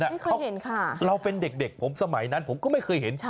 เขาเห็นค่ะเราเป็นเด็กผมสมัยนั้นผมก็ไม่เคยเห็น